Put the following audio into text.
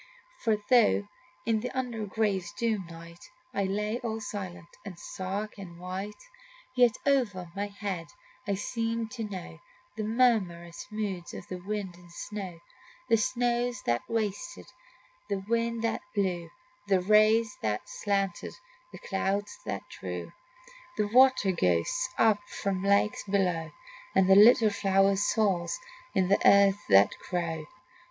For though in the under grave's doom night I lay all silent and stark and white, Yet over my head I seemed to know The murmurous moods of wind and snow, The snows that wasted, the winds that blew, The rays that slanted, the clouds that drew The water ghosts up from lakes below, And the little flower souls in earth that grow.